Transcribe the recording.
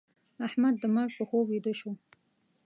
احمد د مرګ په خوب ويده شو.